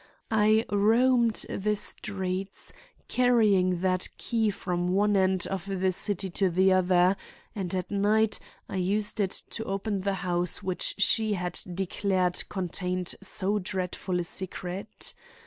I roamed the streets, carrying that key from one end of the city to the other, and at night I used it to open the house which she had declared contained so dreadful a secret.